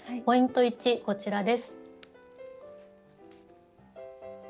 ポイント１こちらです。